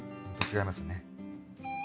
違いますね。